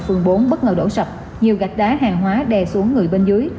phường bốn bất ngờ đổ sập nhiều gạch đá hàng hóa đè xuống người bên dưới